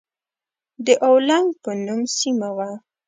د اولنګ په نوم سيمه وه.